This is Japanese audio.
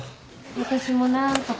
私も何とか。